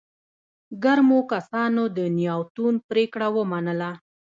ګرمو کسانو د نياوتون پرېکړه ومنله.